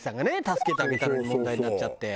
助けてあげたのに問題になっちゃって。